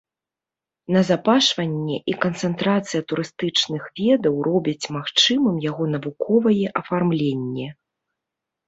Назапашванне і канцэнтрацыя турыстычных ведаў робяць магчымым яго навуковае афармленне.